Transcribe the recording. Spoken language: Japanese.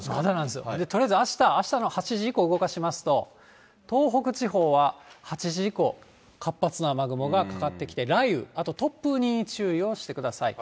とりあえず、あしたの８時以降、動かしますと、東北地方は８時以降、活発な雨雲がかかってきて、雷雨、あと突風に注意をしてください。